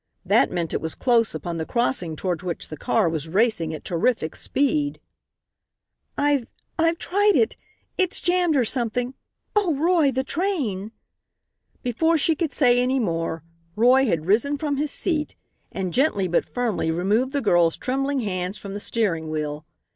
That meant it was close upon the crossing toward which the car was racing at terrific speed. "I've I've tried it. It's jammed or something! Oh, Roy! the train!" Before she could say any more Roy had risen from his seat, and gently, but firmly, removed the girl's trembling hands from the steering wheel.